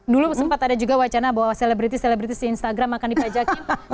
dulu sempat ada juga wacana bahwa selebriti selebriti di instagram akan dipajakin